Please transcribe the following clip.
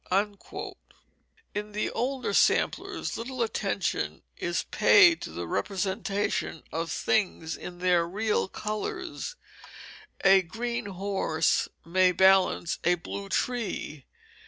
In the older samplers little attention is paid to the representation of things in their real colors; a green horse may balance a blue tree.